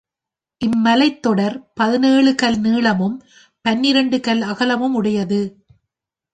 இம்மலைத் தொடர் பதினேழு கல் நீளமும் பன்னிரண்டு கல் அகலமும் உடையது.